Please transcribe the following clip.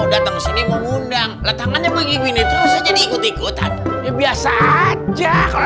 datang sini mengundang letangannya begini terus jadi ikut ikutan biasa aja kalau